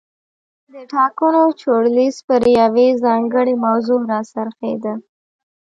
د ټاکنو چورلیز پر یوې ځانګړې موضوع را څرخېده.